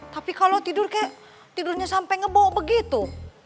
tapi kalau tidur kayak tidurnya sampai ngebok begitu